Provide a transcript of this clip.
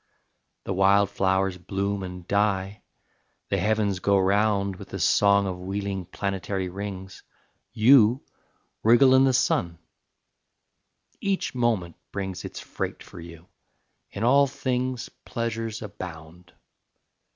The wild flowers bloom and die; the heavens go round With the song of wheeling planetary rings: You wriggle in the sun; each moment brings Its freight for you; in all things pleasures abound.